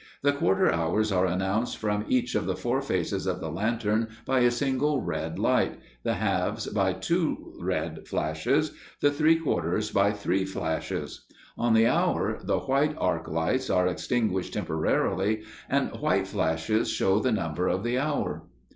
The quarter hours are announced from each of the four faces of the lantern by a single red light, the halves by two red flashes, the three quarters by three flashes. On the hour, the white arc lights are extinguished temporarily, and white flashes show the number of the hour.